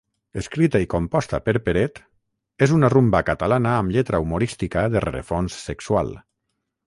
Escrita i composta per Peret, és una rumba catalana amb lletra humorística de rerefons sexual.